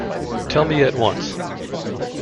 Tell me at once.